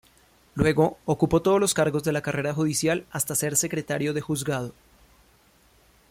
Luego ocupó todos los cargos de la carrera judicial hasta ser secretario de Juzgado.